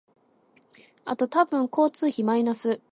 あと多分交通費マイナス